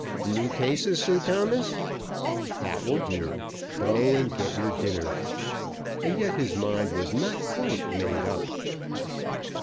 "New cases, Sir Thomas!" "That will do. Go and get your dinner." And yet his mind was not quite made up.